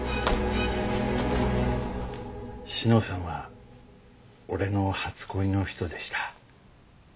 志乃さんは俺の初恋の人でした。